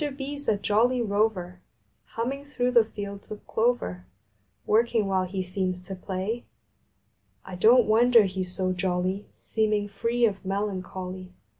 BEE S a jolly rover, Humming through the fields of clover, Working while he seems to play. I don t wonder he s so jolly, Seeming free of melancholy.